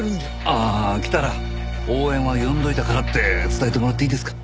ああ来たら応援は呼んでおいたからって伝えてもらっていいですか？